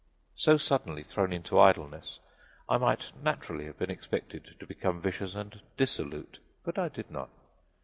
So suddenly thrown into idleness, I might naturally have been expected to become vicious and dissolute, but I did not.